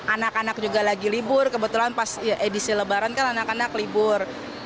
anak anak juga lagi libur kebetulan pas edisi lebaran kan anak anak libur